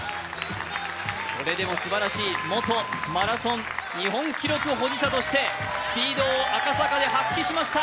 それでもすばらしい元マラソン日本記録保持者としてスピードを赤坂で発揮しました。